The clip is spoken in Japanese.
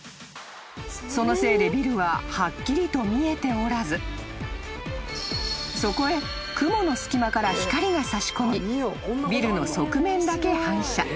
［そのせいでビルははっきりと見えておらずそこへ雲の隙間から光が差し込みビルの側面だけ反射］